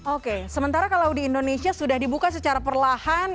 oke sementara kalau di indonesia sudah dibuka secara perlahan